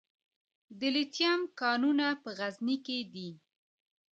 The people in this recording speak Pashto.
د لیتیم کانونه په غزني کې دي